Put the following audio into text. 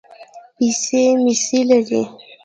پیسې مېسې لرې.